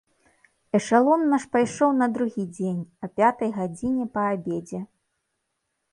Эшалон наш пайшоў на другі дзень а пятай гадзіне па абедзе.